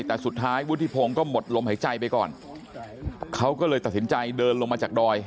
แต่สุดท้ายวุฒิพงศ์ก็หมดลมหายใจไปก่อนเขาก็เลยตัดสินใจเดินลงมาจากดอย